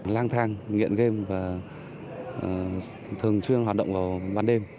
lang thang nghiện game và thường chuyên hoạt động vào ban đêm